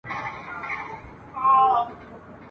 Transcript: د ايمل بابا دغرونو !.